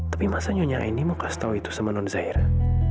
tapi masa nyonya aini mau kasih tahu itu sama non zaira